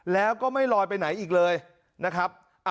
แล้วก็ไม่ลอยไปไหนอีกเลยนะครับ